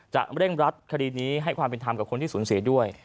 เร่งรัดคดีนี้ให้ความเป็นธรรมกับคนที่สูญเสียด้วย